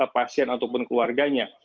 pasien ataupun keluarganya